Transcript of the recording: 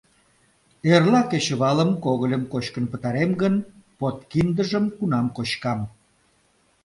Эрла кечывалым когыльым кочкын пытарем гын, подкиндыжым кунам кочкам?